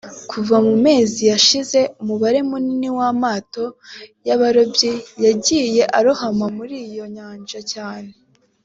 Kuva mu mezi yashize umubare munini w’amato y’abarobyi yagiye arohama muri iyo Nyanja cyane